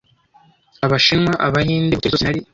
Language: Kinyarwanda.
abashinwa, abahinde, hoteli zose nari